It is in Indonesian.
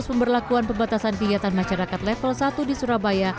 pemberlakuan pembatasan kegiatan masyarakat level satu di surabaya